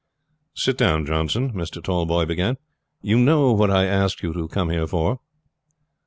"Sit down, Johnson," Mr. Tallboys began. "You know what I asked you to come here for?"